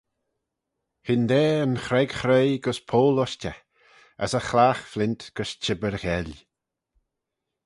Hyndaa yn chreg chreoi gys poyll-ushtey: as y chlagh-flint gys chibbyr gheill.